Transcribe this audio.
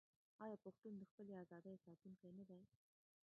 آیا پښتون د خپلې ازادۍ ساتونکی نه دی؟